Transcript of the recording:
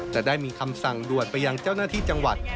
จะได้มีคำสั่งด่วนไปยังเจ้าหน้าที่จังหวัด